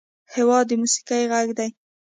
هېواد د موسیقۍ غږ دی.